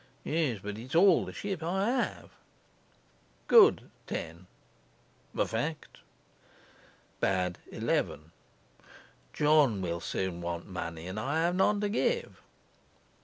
Yes, but it's all the ship I have. 10. A fact. 11. John will soon want money, and I have none to give.